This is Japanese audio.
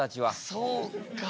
そうか。